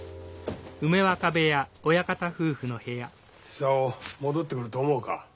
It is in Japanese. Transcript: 久男戻ってくると思うか？